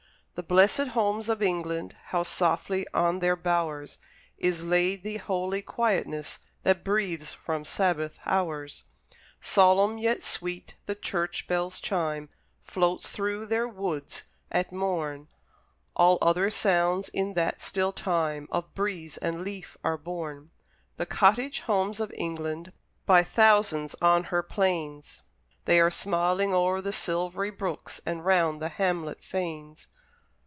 The blessed homes of England! How softly on their bowers Is laid the holy quietness That breathes from Sabbath hours! Solemn, yet sweet, the church bell's chime Floats through their woods at morn; All other sounds, in that still time, Of breeze and leaf are born. The cottage homes of England! By thousands on her plains, They are smiling o'er the silvery brooks, And round the hamlet fanes.